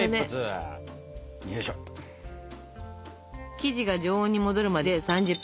生地が常温に戻るまで３０分置きますよ。